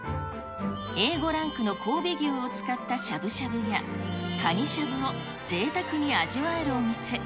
Ａ５ランクの神戸牛を使ったしゃぶしゃぶや、かにしゃぶをぜいたくに味わえるお店。